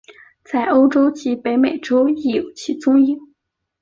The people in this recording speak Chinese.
在欧洲及北美洲亦有其踪影。